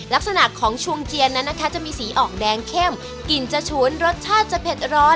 ลักษณะของชวงเจียนนั้นนะคะจะมีสีออกแดงเข้มกลิ่นจะฉวนรสชาติจะเผ็ดร้อน